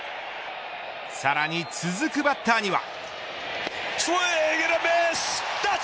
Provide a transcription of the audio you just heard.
さらに続くバッターには。